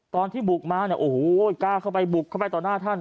ตอนที่บุกมาเนี่ยโอ้โหกล้าเข้าไปบุกเข้าไปต่อหน้าท่าน